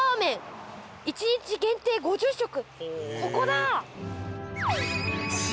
ここだ。